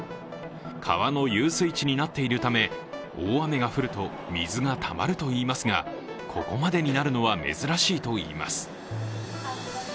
川の遊水池になっているため大雨が降ると水がたまるといいますが、ここまでになるのは珍しいといいます。